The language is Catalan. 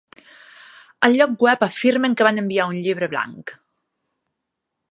Al lloc web afirmen que van enviar un llibre blanc.